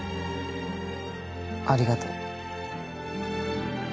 ありがとう